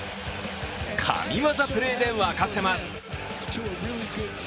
神業プレーで沸かせます。